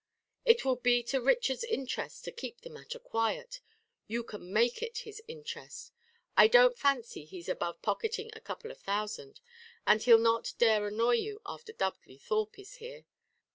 It will be to Richard's interest to keep the matter quiet you can make it his interest: I don't fancy he's above pocketing a couple of thousands. And he'll not dare annoy you after Dudley Thorpe is here.